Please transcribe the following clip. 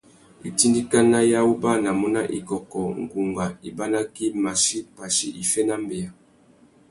Itindikana i awubanamú na ikôkô, ngunga, ibanakí, machí, pachí, iffê na mbeya.